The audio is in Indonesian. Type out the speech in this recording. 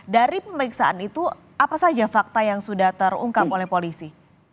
dari pemeriksaan itu apa saja fakta yang sudah terungkap oleh polisi